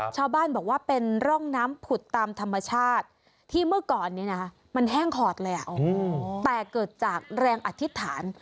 ชาวบ้านบอกว่าเป็นร่องน้ำผุดตามธรรมชาติที่เมื่อก่อนนี้นะมันแห้งขอดเลยแต่เกิดจากแรงอธิษฐาน